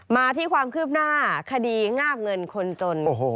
มาที่ความคืบหน้าคดีงาบเงินคนจน